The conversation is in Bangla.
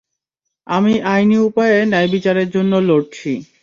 আমি আইনি উপায়ে ন্যায়বিচারের জন্য লড়ছি।